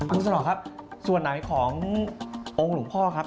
อังษรครับส่วนไหนขององค์หลวงพ่อครับ